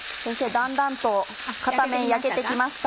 だんだんと片面焼けて来ました。